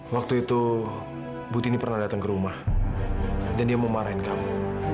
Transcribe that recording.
waktu itu bu tini pernah datang ke rumah dan dia memarahin kamu